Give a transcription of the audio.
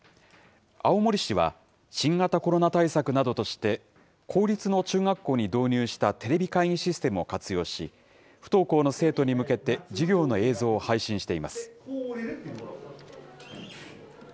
青森市は、新型コロナ対策などとして、公立の中学校に導入したテレビ会議システムを活用し、不登校の生徒に向けて授業の映像を配信しています。